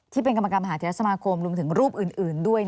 ที่เป็นกรรมการมหาเทศสมาคมรวมถึงรูปอื่นด้วย